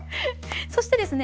そしてですね